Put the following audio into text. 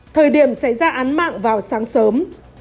thời điểm xảy ra án mạng vào sáng sớm